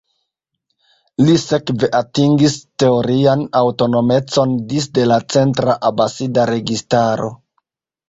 Li sekve atingis teorian aŭtonomecon disde la centra Abasida registaro.